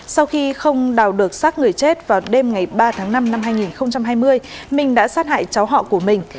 sau khi không đào được sát người chết vào đêm ngày ba tháng năm năm hai nghìn hai mươi minh đã sát hại cháu họ của mình